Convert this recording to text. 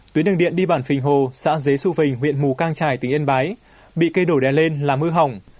tuyến đường điện đi bản phình hồ xã dế xu vình huyện mù cang trải tỉnh yên bái bị cây đổ đè lên làm mưa hỏng